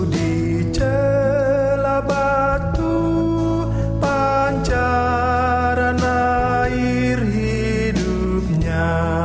di celah batu pancaran air hidupnya